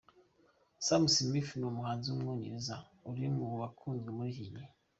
Sam Smith ni umuhanzi w’umwongereza uri mu bakunzwe muri iki gihe.